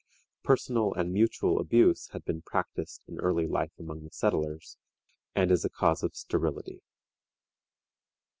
Personal and mutual abuse had been much practiced in early life among the settlers, and is a cause of sterility.